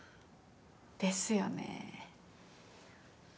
ですよね。